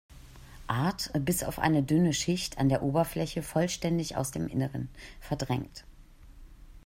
Art bis auf eine dünne Schicht an der Oberfläche vollständig aus dem Inneren verdrängt.